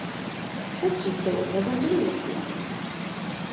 Petřík byl odvezen do nemocnice.